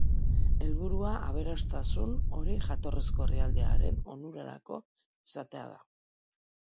Helburua aberastasun hori jatorrizko herrialdearen onurarako izatea da.